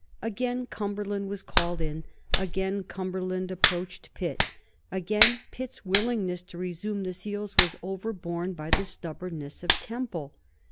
Again Cumberland was called in; again Cumberland approached Pitt; again Pitt's willingness to resume the seals was overborne by the stubbornness of Temple.